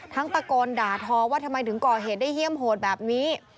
ตะโกนด่าทอว่าทำไมถึงก่อเหตุได้เยี่ยมโหดแบบนี้